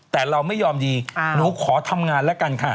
แต่เราไม่ยอมดีหนูขอทำงานแล้วกันค่ะ